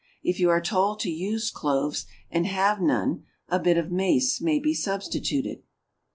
If you are told to use cloves, and have none, a bit of mace may be substituted.